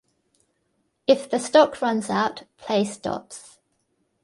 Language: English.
If the stock runs out, play stops.